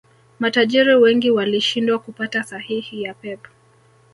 Matajiri wengi walishindwa kupata sahihi ya Pep